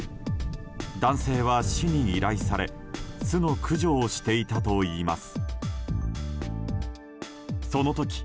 男性は市に依頼され巣の駆除をしていたといいます。